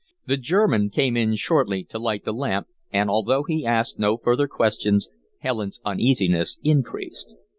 The German came in shortly to light the lamp, and, although she asked no further questions, Helen's uneasiness increased.